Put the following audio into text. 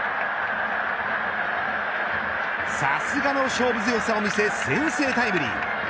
さすがの勝負強さを見せ先制タイムリー。